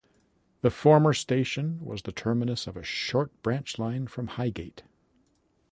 The former station was the terminus of a short branch line from Highgate.